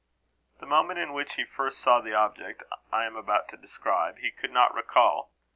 The moment in which he first saw the object I am about to describe, he could not recall.